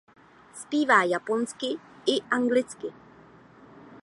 Zpívá japonsky i anglicky.